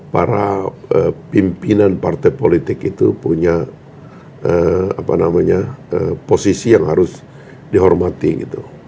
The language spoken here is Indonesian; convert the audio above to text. para pimpinan partai politik itu punya posisi yang harus dihormati gitu